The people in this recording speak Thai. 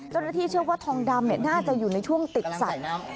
เจ้าหน้าที่เชื่อว่าทองดำน่าจะอยู่ในช่วงติดสัตว์